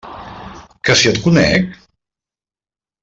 Que si et conec!